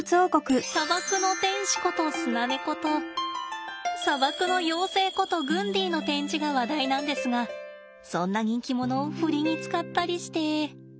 砂漠の天使ことスナネコと砂漠の妖精ことグンディの展示が話題なんですがそんな人気者をふりに使ったりして。